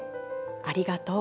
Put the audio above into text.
ありがとう。